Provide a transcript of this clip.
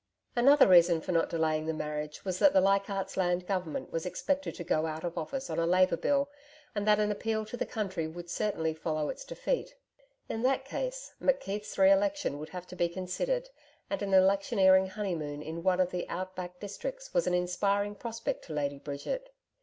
Another reason for not delaying the marriage was that the Leichardt's Land government was expected to go out of office on a Labour Bill, and that an appeal to the country would certainly follow its defeat. In that case McKeith's re election would have to be considered, and an electioneering honeymoon in one of the out back districts was an inspiring prospect to Lady Bridget.